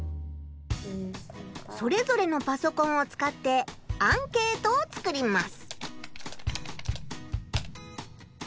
それぞれのパソコンを使ってアンケートを作ります。